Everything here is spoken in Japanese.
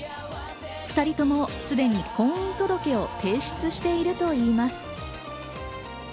２人ともすでに婚姻届を提出しているといいます。